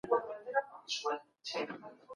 ښاغلي رفیقي وویل چي څېړنه د پرمختګ کلید ده.